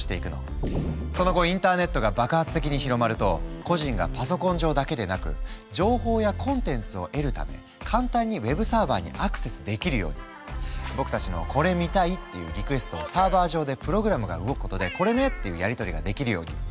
その後インターネットが爆発的に広まると個人がパソコン上だけでなく情報やコンテンツを得るため簡単にウェブサーバーにアクセスできるように僕たちの「これ見たい」っていうリクエストをサーバー上でプログラムが動くことで「これね」っていうやり取りができるように。